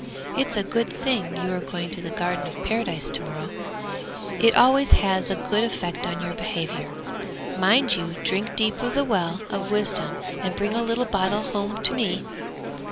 'It's a good thing you are going to the Garden of Paradise to morrow; it always has a good effect on your behaviour. Mind you drink deep of the well of wisdom, and bring a little bottleful home to me.'